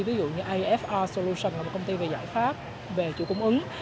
ví dụ như afr solution là một công ty về giải pháp về chịu cung ứng